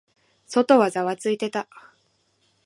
外はざわついていた。